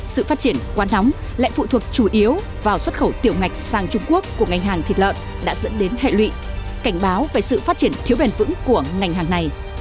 sự phát triển quá nóng lại phụ thuộc chủ yếu vào xuất khẩu tiểu ngạch sang trung quốc của ngành hàng thịt lợn đã dẫn đến hệ lụy cảnh báo về sự phát triển thiếu bền vững của ngành hàng này